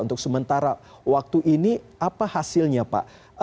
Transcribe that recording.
untuk sementara waktu ini apa hasilnya pak